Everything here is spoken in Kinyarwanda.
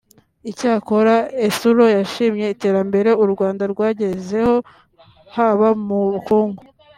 Icyakora Ethuro yashimye iterambere u Rwanda rwagezeho haba mu bukungu